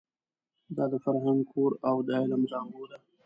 دا د فرهنګ کور او د علم زانګو ده.